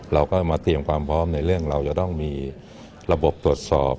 เราก็มาเตรียมความพร้อมในเรื่องเราจะต้องมีระบบตรวจสอบ